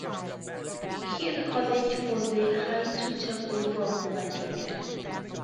He recorded for the High Two label from Philadelphia.